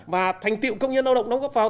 và thành tiệu công nhân lao động đóng góp vào